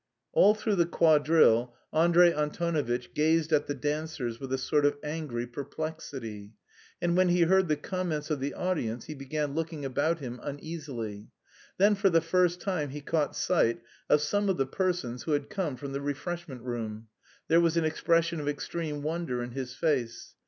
All through the quadrille Andrey Antonovitch gazed at the dancers with a sort of angry perplexity, and when he heard the comments of the audience he began looking about him uneasily. Then for the first time he caught sight of some of the persons who had come from the refreshment room; there was an expression of extreme wonder in his face.